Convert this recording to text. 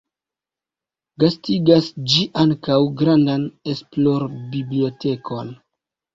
Gastigas ĝi ankaŭ grandan esplor-bibliotekon.